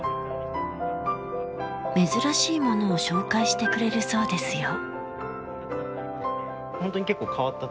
珍しいものを紹介してくれるそうですよ。